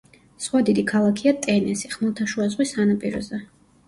სხვა დიდი ქალაქია ტენესი, ხმელთაშუა ზღვის სანაპიროზე.